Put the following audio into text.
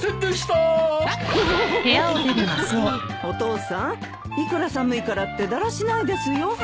お父さんいくら寒いからってだらしないですよ。